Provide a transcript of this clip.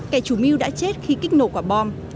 kẻ chủ mưu đã chết khi kích nổ quả bom